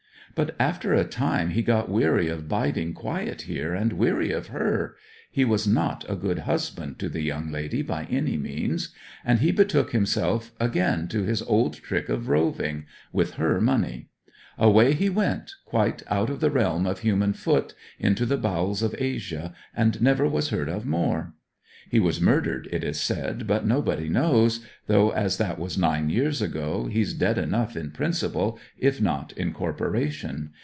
But after a time he got weary of biding quiet here, and weary of her he was not a good husband to the young lady by any means and he betook himself again to his old trick of roving with her money. Away he went, quite out of the realm of human foot, into the bowels of Asia, and never was heard of more. He was murdered, it is said, but nobody knows; though as that was nine years ago he's dead enough in principle, if not in corporation.